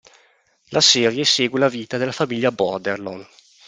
La serie segue la vita della famiglia Borderlon.